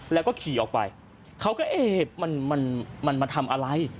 แล้วก็ขี่ออกไปเขาก็เอ๊ะมันมันมาทำอะไร